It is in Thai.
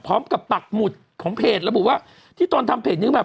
พร้อมกับปักหมุดของเพจระบุว่าที่ตอนทำเพจนึกมา